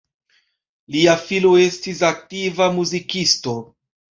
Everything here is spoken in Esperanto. Lia filo estis aktiva muzikisto.